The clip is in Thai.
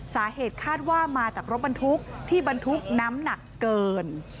สาเหตุคาดว่ามาจากรถบรรทุกที่บรรทุกน้ำหนักเกิน